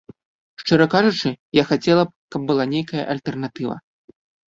Шчыра кажучы, я хацела б, каб была нейкая альтэрнатыва.